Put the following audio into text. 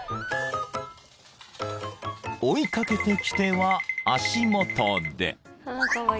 ［追い掛けてきては足元で］